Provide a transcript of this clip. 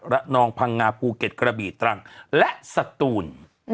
นองพังงาภูเก็ตกระบีตรังและสตูน